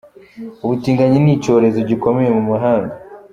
Ubutinganyi ni icyorezo gikomeye mu mahanga.